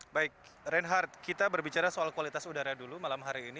baik reinhardt kita berbicara soal kualitas udara dulu malam hari ini